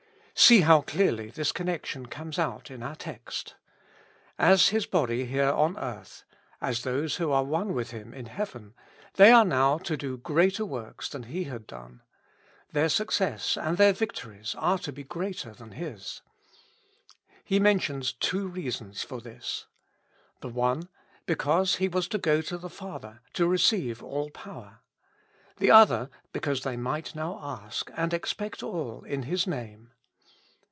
See how clearly this connection comes out in our text. As His body here on earth, as those who are one with Him in heaven, they are now to do greater works than He had done ; their success and their victories are to be greater than His. He mentions two reasons for this. The one, because He was to go to the Father, to receive all power ; the other, because they might now ask and expect all in His Name.